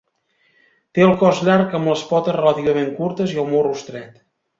Té el cos llarg amb les potes relativament curtes i el morro estret.